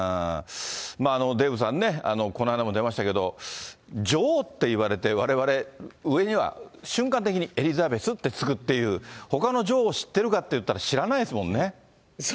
デーブさんね、この間も出ましたけれども、女王って言われて、われわれ、上には、瞬間的にエリザベスって付くっていう、ほかの女王知ってるかってそうなんですよね。